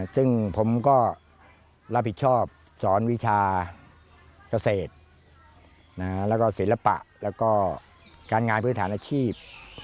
ซึ่งผมก็รับผิดชอบสอนวิชาเกษตรแล้วก็ศิลปะแล้วก็การงานพื้นฐานอาชีพ